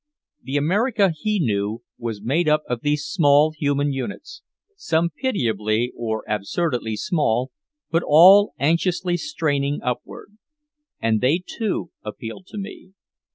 The America he knew was made up of these small human units, some pitiably or absurdly small, but all anxiously straining upward. And they too appealed to me.